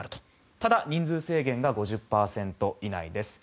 ただ人数制限が５０％以内です。